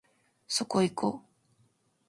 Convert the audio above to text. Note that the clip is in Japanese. そこいこ